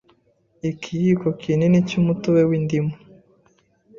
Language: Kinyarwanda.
ikiyiko kinini cy’umutobe w’indimu,